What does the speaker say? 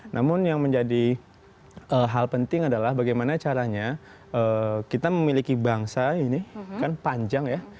namun yang menjadi hal penting adalah bagaimana caranya kita memiliki bangsa ini kan panjang ya